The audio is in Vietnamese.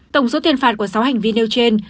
tổng số tiền phạt của sáu hành vi nêu trên